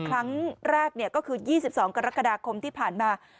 ครั้งแรกก็คือ๒๒กรกฎาคมที่ผ่านมา